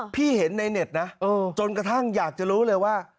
เห็นในเน็ตนะจนกระทั่งอยากจะรู้เลยว่า